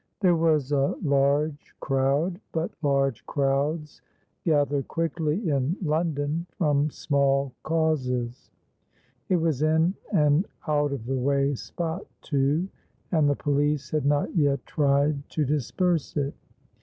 THERE was a large crowd, but large crowds gather quickly in London from small causes. It was in an out of the way spot too, and the police had not yet tried to disperse it.